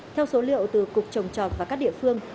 theo số liệu từ cục trồng trọt và các địa phương